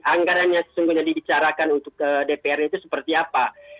anggaran yang sesungguhnya dibicarakan untuk dprd itu seperti apa